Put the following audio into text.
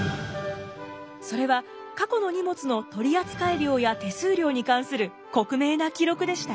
それは過去の荷物の取り扱い量や手数料に関する克明な記録でした。